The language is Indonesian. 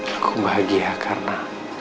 aku bahagia karena